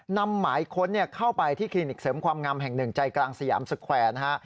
นำหมายค้นเข้าไปที่คลินิกเสริมความงามแห่งหนึ่งใจกลางสยามสแควร์นะฮะ